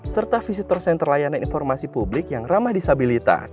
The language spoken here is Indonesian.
serta visitor center layanan informasi publik yang ramah disabilitas